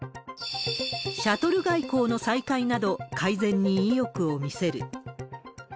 シャトル外交の再開など、改善に意欲を見せる。